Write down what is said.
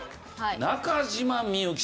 中島みゆきさん。